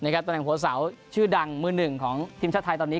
ตำแหน่งหัวเสาชื่อดังมือหนึ่งของทีมชาติไทยตอนนี้